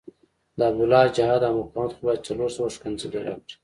د عبدالله جهاد او مقاومت خو باید څلور سوه ښکنځلې راکړي.